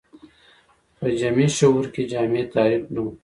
په جمعي شعور کې جامع تعریف نه و